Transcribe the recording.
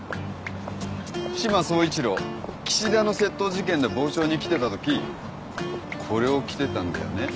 志摩総一郎岸田の窃盗事件で傍聴に来てたときこれを着てたんだよね。